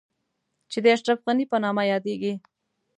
چې د اشرف غني په نامه يادېږي.